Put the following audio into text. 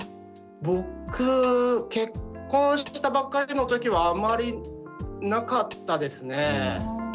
僕結婚したばっかりの時はあまりなかったですね。